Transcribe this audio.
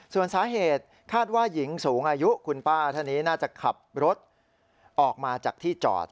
ส่วนสาเหตุคาดว่าหญิงสูงอายุคุณป้าท่านนี้น่าจะขับรถออกมาจากที่จอด